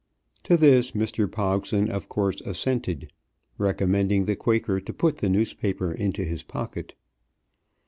To this Mr. Pogson of course assented, recommending the Quaker to put the newspaper into his pocket.